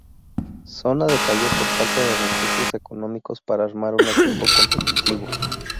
Zona decayó por falta de recursos económicos para armar un equipo competitivo.